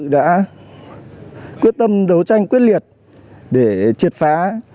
đã quyết tâm đấu tranh quyết liệt để triệt phá